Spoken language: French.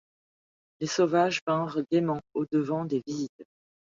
Les sauvages vinrent gaiement au-devant des visiteurs.